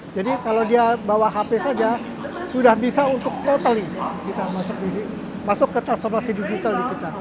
jadi kalau dia bawa hp saja sudah bisa untuk totally kita masuk ke transformasi digital di kita